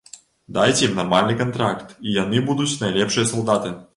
Дайце ім нармальны кантракт, і яны будуць найлепшыя салдаты.